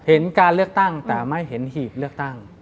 เห็นการเลือกตั้งแต่ไม่เห็นหีบเลือกตั้ง